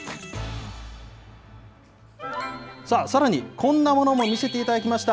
さあ、さらに、こんなものも見せていただきました。